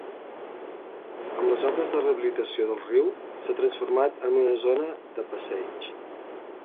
Amb les obres de rehabilitació del riu s'ha transformat en una zona de passeig.